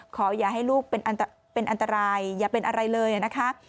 ขออย่าให้ลูกเป็นอันตรายอย่าเป็นอะไรเลยนะคะ